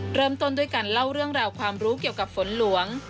เริ่มต้นด้วยการเล่าเรื่องราวความรู้เกี่ยวกับฝนหลวง